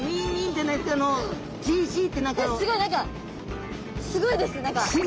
すごい何かすごいです何か。